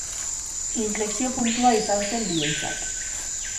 Inflexio-puntua izan zen bientzat.